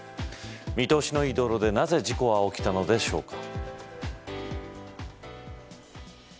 見通しのいい道路でなぜ事故は起きたのでしょうか。